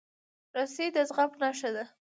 رسۍ د زغم نښه ده.